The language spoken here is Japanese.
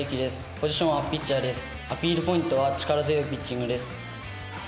ポジションはピッチャーと内野です。